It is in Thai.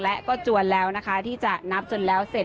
และก็จวนแล้วนะคะที่จะนับจนแล้วเสร็จ